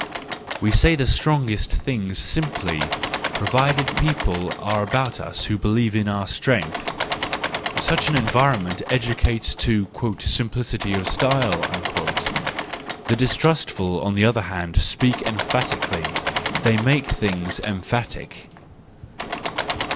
—We say the strongest things simply, provided people are about us who believe in our strength:—such an environ¬ ment educates to "simplicity of style." The distrustful, on the other hand, speak emphatically; they make things emphatic.